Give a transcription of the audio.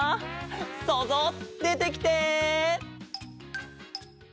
そうぞうでてきて！